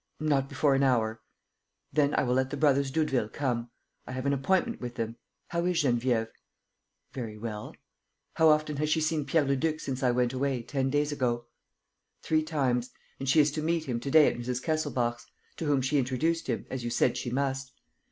"Not before an hour." "Then I will let the brothers Doudeville come. I have an appointment with them. How is Geneviève?" "Very well." "How often has she seen Pierre Leduc since I went away, ten days ago?" "Three times; and she is to meet him to day at Mrs. Kesselbach's, to whom she introduced him, as you said she must.